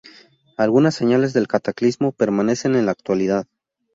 Algunas señales del cataclismo permanecen en la actualidad.